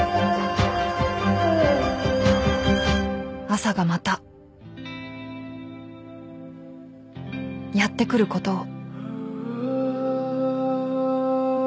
［朝がまたやって来ることを］